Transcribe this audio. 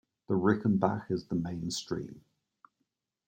The Rickenbach is the main stream.